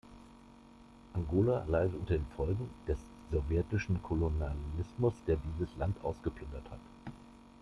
Angola leidet unter den Folgen des sowjetischen Kolonialismus, der dieses Land ausgeplündert hat.